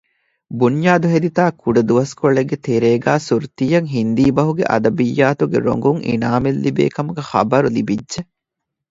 ބުންޔާދު ހެދިތާ ކުޑަދުވަސްކޮޅެއްގެ ތެރޭގައި ސުރުތީއަށް ހިންދީ ބަހުގެ އަދަބިއްޔާތުގެ ރޮނގުން އިނާމެއް ލިބޭ ކަމުގެ ޚަބަރު ލިބިއްޖެ